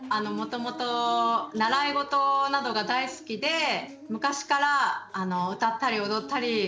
もともと習い事などが大好きで昔から歌ったり踊ったり。